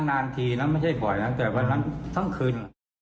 นานทีนะไม่ใช่บ่อยนะแต่วันนั้นทั้งคืน